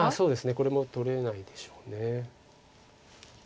これも取れないでしょう。